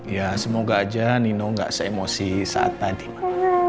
iya semoga aja nino gak se emosi saat tadi mbak